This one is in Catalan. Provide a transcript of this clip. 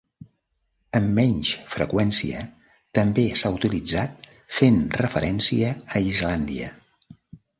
Amb menys freqüència també s'ha utilitzat fent referència a Islàndia.